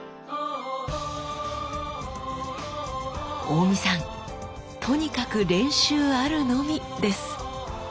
大見さんとにかく練習あるのみです！